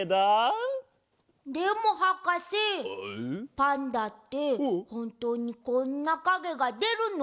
パンダってほんとうにこんなかげがでるの？